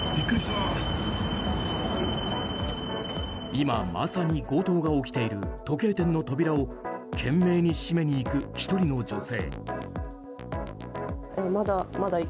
今まさに強盗が起きている時計店の扉を懸命に閉めに行く１人の女性。